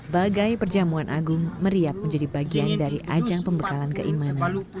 bagai perjamuan agung meriap menjadi bagian dari ajang pembekalan keiman